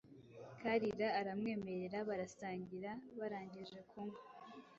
Kalira aramwemerera barasangira. Barangije kunywa,